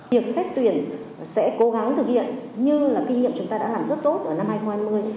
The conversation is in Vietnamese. việc xét tuyển sẽ cố gắng thực hiện như là kinh nghiệm chúng ta đã làm rất tốt ở năm hai nghìn hai mươi